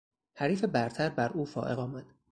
حریف برتر بر او فائق آمد.